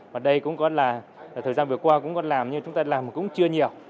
và đây cũng có là thời gian vừa qua cũng có làm nhưng chúng ta làm cũng chưa nhiều